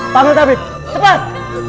panggil tapi cepat